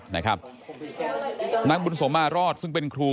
นางบุญสมมารอดซึ่งเป็นครู